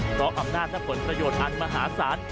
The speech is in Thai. เพราะอำนาจและผลประโยชน์อันมหาศาล